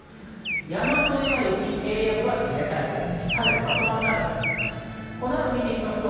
山沿いは雪、平野部は冷たい雨、かなりまとまった雨が降りそうです。